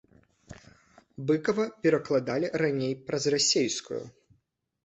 Быкава перакладалі раней праз расейскую.